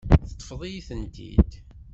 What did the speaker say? Teṭṭfeḍ-iyi-tent-id.